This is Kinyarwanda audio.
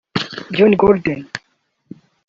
John Gurdon